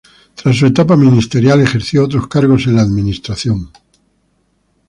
Tras su etapa ministerial, ejerció otros cargos en la Administración.